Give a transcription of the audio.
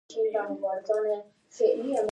د یوه ګڼ ځنګل په منځ کې موقعیت درلود.